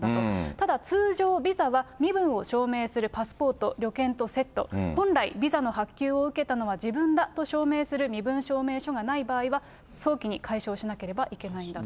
ただ通常、ビザは、身分を証明するパスポート、旅券とセット、本来、ビザの発給を受けたのは自分だと証明する身分証明書がない場合は、早期に解消しなければいけないんだと。